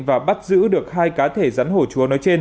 và bắt giữ được hai cá thể rắn hổ chúa